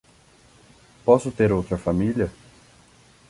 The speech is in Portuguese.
Posso ter outra família?